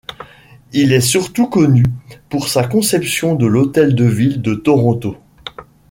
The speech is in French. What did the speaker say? Il est surtout connu pour sa conception de l'Hôtel de ville de Toronto.